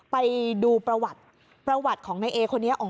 ไปดูประวัติประวัติของนายเอคนนี้